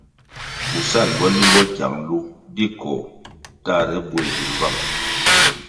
Pfusan bo limbo kyang nlu di koh tahre buegi mbvang.